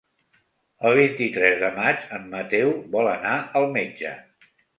El vint-i-tres de maig en Mateu vol anar al metge.